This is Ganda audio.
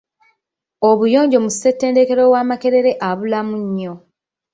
Obuyonjo mu ssetendekero wa Makerere abulamu nnyo